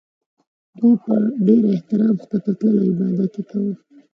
دوی په ډېر احترام ښکته تلل او عبادت یې کاوه.